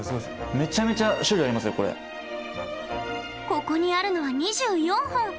ここにあるのは２４本！